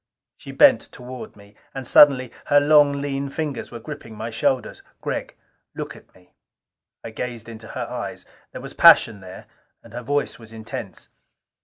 She bent toward me. And suddenly her long, lean fingers were gripping my shoulders. "Gregg, look at me!" I gazed into her eyes. There was passion there; and her voice was intense.